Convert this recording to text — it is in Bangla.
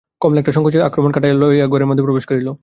কমলা একটা সংকোচের আক্রমণ কাটাইয়া লইয়া ঘরের মধ্যে প্রবেশ করিল।